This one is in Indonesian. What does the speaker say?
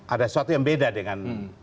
ada sesuatu yang beda dengan